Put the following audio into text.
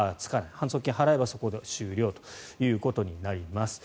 反則金を払えばそこで終了ということになります。